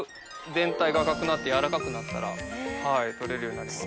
全体が赤くなって柔らかくなったら採れるようになります。